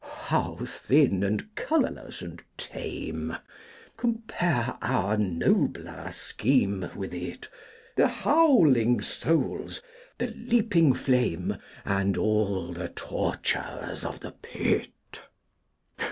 How thin and colourless and tame! Compare our nobler scheme with it, The howling souls, the leaping flame, And all the tortures of the pit!